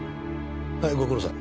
はいご苦労さん。